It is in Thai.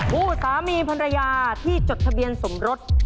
ผู้สามีภรรยาที่จดทะเบียนสมรส